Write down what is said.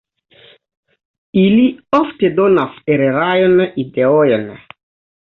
Ili ofte donas erarajn ideojn.